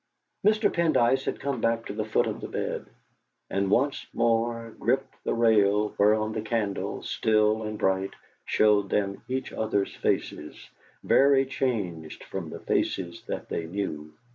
Mr. Pendyce had come back to the foot of the bed, and once more gripped the rail whereon the candle, still and bright, showed them each other's faces, very changed from the faces that they knew.